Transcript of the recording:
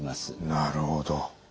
なるほど。